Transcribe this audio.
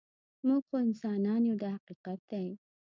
موږ خو انسانان یو دا حقیقت دی.